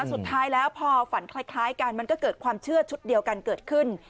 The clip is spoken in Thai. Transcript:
สุดท้ายแล้วพอฝันคล้ายกันมันก็เกิดความเชื่อชุดเดียวกันเกิดขึ้น